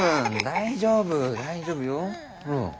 大丈夫大丈夫よ。